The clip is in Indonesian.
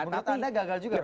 menurut anda gagal juga romo